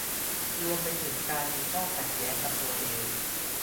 รวมไปถึงการมีข้อขัดแย้งกับตัวเอง